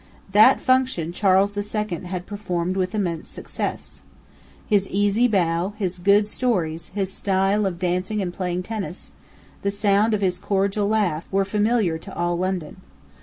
That function Charles the Second had performed with immense success. His easy bow, his good stories, his style of dancing and playing tennis, the sound of his cordial laugh, were familiar to all London.